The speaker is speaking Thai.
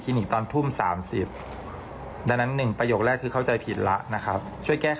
คีนิกตอน๑๑๐น๓๐บนะครับเรื่องหลัก